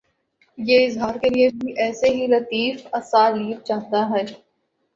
یہ اظہار کے لیے بھی ایسے ہی لطیف اسالیب چاہتا ہے۔